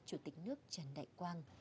chủ tịch nước trần đại quang